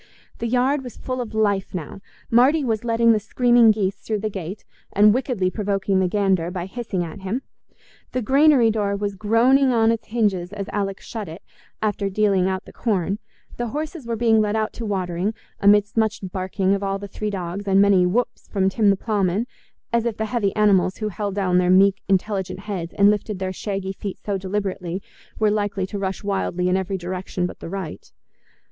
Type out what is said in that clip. The yard was full of life now: Marty was letting the screaming geese through the gate, and wickedly provoking the gander by hissing at him; the granary door was groaning on its hinges as Alick shut it, after dealing out the corn; the horses were being led out to watering, amidst much barking of all the three dogs and many "whups" from Tim the ploughman, as if the heavy animals who held down their meek, intelligent heads, and lifted their shaggy feet so deliberately, were likely to rush wildly in every direction but the right.